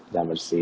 udara bersih ya